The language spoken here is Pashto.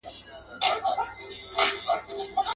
او په کلي کي مېلمه یې پر خپل کور کړي.